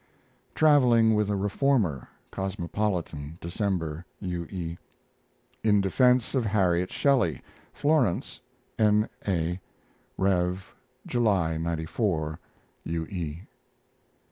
TRAVELING WITH A REFORMER Cosmopolitan, December. U. E. IN DEFENSE OF HARRIET SHELLEY (Florence) N. A. Rev., July, '94. U. E.